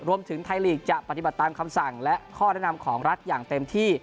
รวมถึงไทยลีกจะปฏิบัติตามคำสั่งและข้อแนะนำของรัฐอย่างเต็มที่